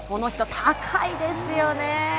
高いですよね。